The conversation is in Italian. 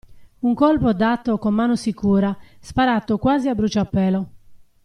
Un colpo dato con mano sicura, sparato quasi a bruciapelo.